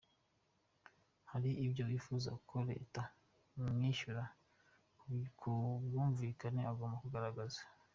Hari ibyo uwifuza ko Leta imwishyura ku bwumvikane agomba kugaragaza.